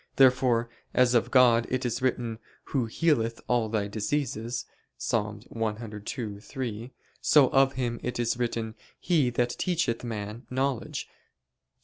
Therefore as of God is it written: "Who healeth all thy diseases" (Ps. 102:3); so of Him is it written: "He that teacheth man knowledge" (Ps.